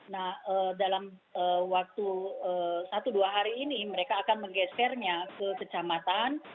nah dalam waktu satu dua hari ini mereka akan menggesernya ke kecamatan